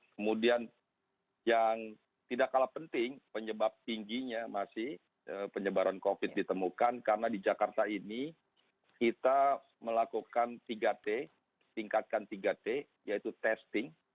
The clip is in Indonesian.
kemudian yang tidak kalah penting penyebab tingginya masih penyebaran covid ditemukan karena di jakarta ini kita melakukan tiga t tingkatkan tiga t yaitu testing